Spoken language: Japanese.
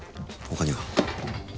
ほかには？